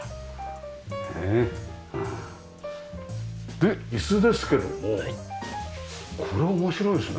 で椅子ですけどもこれは面白いですね。